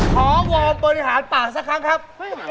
ขอวอล์มเปิดหาดปากสักครั้งครับ